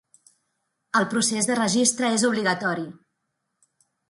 El procés de registre és obligatori.